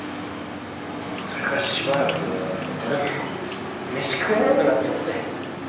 それからしばらく俺もメシ食えなくなっちゃって。